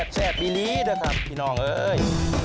แซ่บบีรีด้วยครับพี่น้องเอ่ย